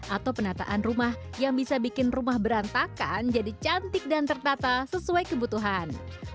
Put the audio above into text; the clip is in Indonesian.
atau penataan rumah yang bisa bikin rumah berantakan jadi cantik dan tertata sesuai kebutuhan